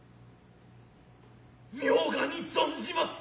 冥加に存じます。